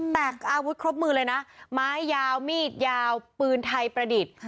แต่อาวุธครบมือเลยนะไม้ยาวมีดยาวปืนไทยประดิษฐ์